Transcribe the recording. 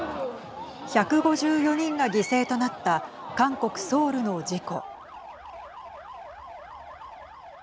１５４人が犠牲となった韓国ソウルの事故。